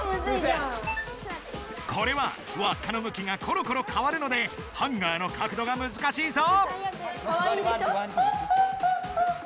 これはわっかのむきがころころかわるのでハンガーの角度がむずかしいぞ。